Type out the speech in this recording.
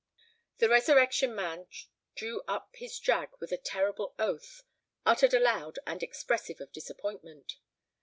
The Resurrection Man drew up his drag with a terrible oath, uttered aloud, and expressive of disappointment.